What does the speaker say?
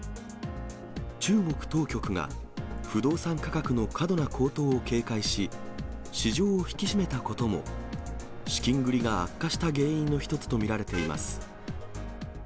中国当局が不動産価格の過度な高騰を警戒し、市場を引き締めたことも、資金繰りが悪化した原因の一つと見られています。